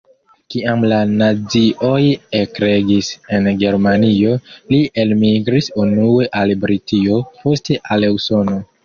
Kiam la nazioj ekregis en Germanio, li elmigris unue al Britio, poste al Usono.